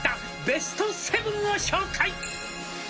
「ベスト７を紹介」